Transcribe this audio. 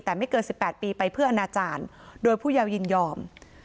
แต่ไม่เกิน๑๘ปีไปเพื่ออนาจารย์โดยผู้เยาวยินยอม